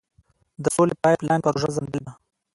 د سولې پایپ لاین پروژه ځنډیدلې ده.